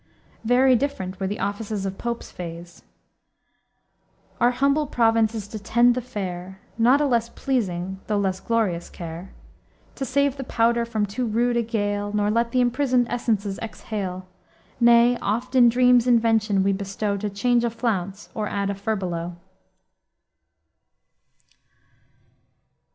Very different were the offices of Pope's fays: "Our humble province is to tend the fair; Not a less pleasing, though less glorious, care; To save the powder from too rude a gale, Nor let the imprisoned essences exhale. ... Nay oft in dreams invention we bestow To change a flounce or add a furbelow."